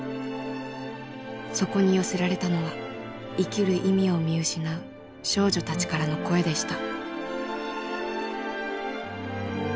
そこに寄せられたのは生きる意味を見失う少女たちからの声でした。